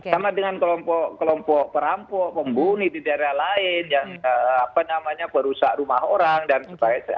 sama dengan kelompok kelompok perampok pembunuh di daerah lain yang apa namanya perusahaan rumah orang dan sebagainya